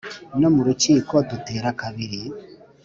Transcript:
no mu rukiko dutera kabiri